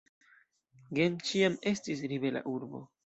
Gent ĉiam estis ribela urbo.